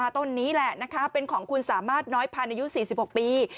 ต้นนี้แหละนะคะเป็นของคุณสามารถน้อยพาในยุค๔๖ปี